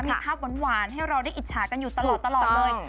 มีภาพหวานให้เราได้อิจฉากันอยู่ตลอดเลย